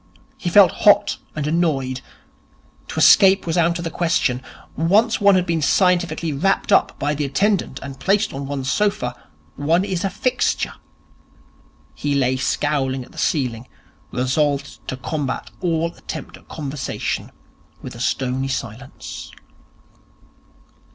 He felt hot and annoyed. To escape was out of the question. Once one has been scientifically wrapped up by the attendant and placed on one's sofa, one is a fixture. He lay scowling at the ceiling, resolved to combat all attempt at conversation with a stony silence.